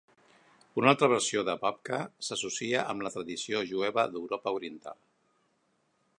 Una altra versió de Babka s'associa amb la tradició jueva d'Europa Oriental.